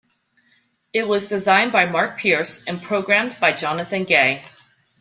It was designed by Mark Pierce and programmed by Jonathan Gay.